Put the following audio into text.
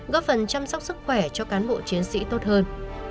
góp phần chăm sóc sức khỏe cho cán bộ chiến sĩ tốt hơn